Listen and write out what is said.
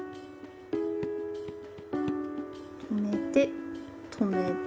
止めて止めて。